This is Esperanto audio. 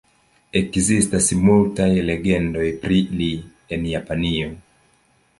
Ekzistas multaj legendoj pri li en Japanio.